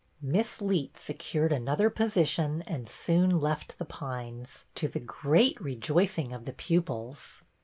Miss Leet secured another position and soon left The Pines, to the great rejoicing of the pupils.